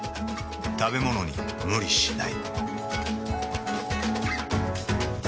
食べものに無理しない。